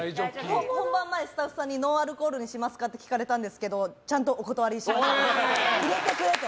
本番前スタッフさんに「ノンアルコールにしますか？」って聞かれたんですけどちゃんとお断りしました。